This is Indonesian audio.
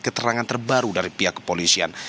keterangan terbaru dari pihak kepolisian